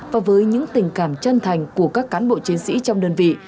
và với những tình cảm chân thành của các cán bộ chiến sĩ trong đơn vị